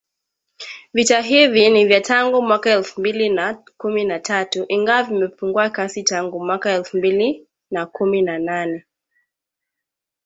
Vita hivi ni vya tangu mwaka elfu mbili na kumi na tatu ingawa vimepungua kasi tangu mwaka elfu mbili na kumi na nane